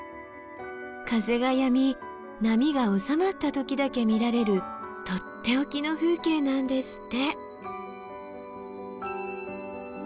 風がやみ波がおさまった時だけ見られるとっておきの風景なんですって。